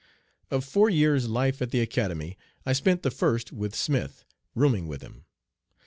Of four years' life at the Academy, I spent the first with Smith, rooming with him.